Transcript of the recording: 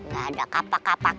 gak ada kapak kapak